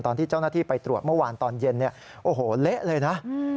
ตอนที่เจ้าหน้าที่ไปตรวจเมื่อวานตอนเย็นเนี่ยโอ้โหเละเลยนะ